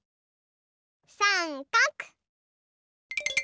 さんかく！